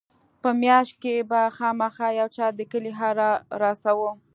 په مياشت کښې به خامخا يو چا د کلي حال رارساوه.